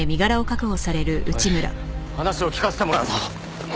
おい話を聞かせてもらうぞ。